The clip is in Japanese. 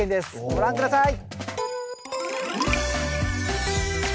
ご覧下さい。